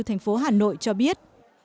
thành phố hà nội cho biết